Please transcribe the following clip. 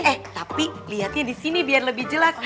eh tapi liatnya di sini biar lebih jelas